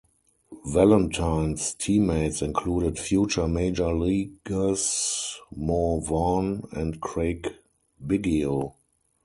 Valentin's teammates included future major leaguers Mo Vaughn and Craig Biggio.